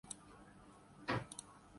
اس کے موتیوں جیسے دانت کھل گئے تھے۔